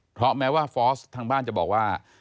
เพราะแม้ว่าฟอร์สทางบ้านจะบอกว่า